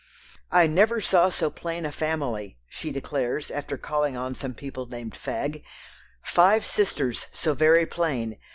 "I never saw so plain a family" she declares after calling on some people named Fagg "five sisters so very plain!